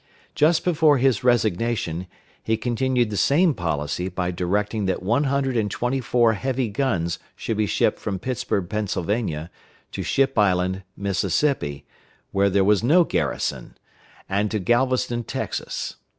Just before his resignation, he continued the same policy by directing that one hundred and twenty four heavy guns should be shipped from Pittsburg, Pennsylvania, to Ship Island, Mississippi, where there was no garrison, and to Galveston, Texas.